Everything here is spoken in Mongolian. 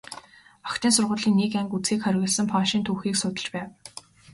Охидын сургуулийн нэг анги үзэхийг хориглосон польшийн түүхийг судалж байв.